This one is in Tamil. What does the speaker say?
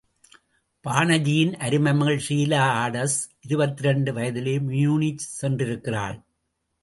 பானர்ஜியின் அருமை மகள் ஷீலா ஆடஸ் இருபத்திரண்டு வயதிலேயே மியூனிச் சென்றிருக்கிறாள்.